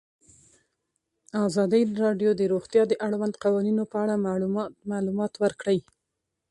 ازادي راډیو د روغتیا د اړونده قوانینو په اړه معلومات ورکړي.